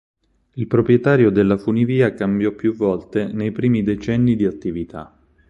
Il proprietario della funivia cambiò più volte nei primi decenni di attività.